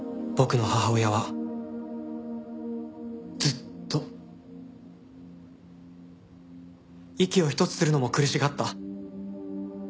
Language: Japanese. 僕の母親はずっと息を一つするのも苦しがった。